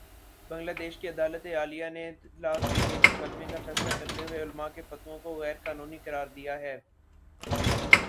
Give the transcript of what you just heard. بنگلہ دیش کی عدالتِ عالیہ نے طلاق کے ایک مقدمے کا فیصلہ کرتے ہوئے علما کے فتووں کو غیر قانونی قرار دیا ہے